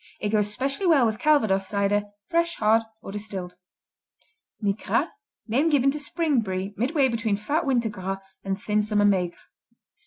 It goes specially well with Calvados cider, fresh, hard or distilled. Migras Name given to spring Brie midway between fat winter Gras and thin summer Maigre.